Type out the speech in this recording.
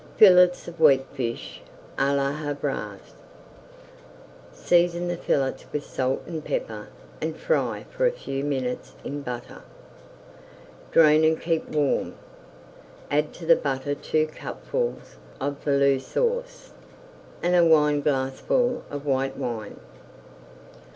FILLETS OF WEAKFISH À LA HAVRAISE Season the fillets with salt and pepper and fry for a few minutes in butter. Drain and keep warm. Add to the butter two cupfuls of Velouté Sauce and a wineglassful of white wine.